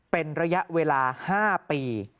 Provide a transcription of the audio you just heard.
เป็นระยะเวลา๕ปี